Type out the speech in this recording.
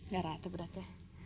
gak rata beratnya